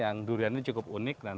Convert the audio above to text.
yang durian ini cukup unik